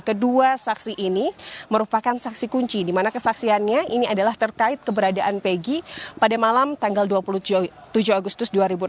kedua saksi ini merupakan saksi kunci di mana kesaksiannya ini adalah terkait keberadaan peggy pada malam tanggal dua puluh tujuh agustus dua ribu enam belas